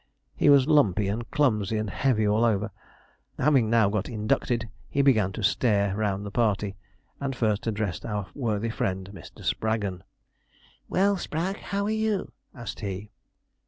He was lumpy, and clumsy, and heavy all over. Having now got inducted, he began to stare round the party, and first addressed our worthy friend Mr. Spraggon. 'Well, Sprag, how are you?' asked he.